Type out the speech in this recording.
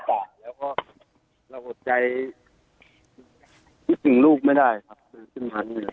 ก็เหมือน